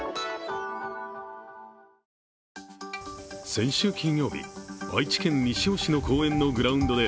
先週金曜日、愛知県西尾市の公園のグラウンドで